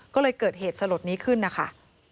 ก็เลยเกิดเหตุสลดนี้ขึ้นนะคะ